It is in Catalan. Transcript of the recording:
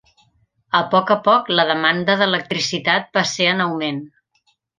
A poc a poc la demanda d'electricitat va ser en augment.